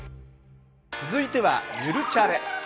続いては「ゆるチャレ」。